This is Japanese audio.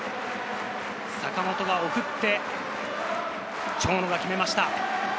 坂本が送って、長野が決めました。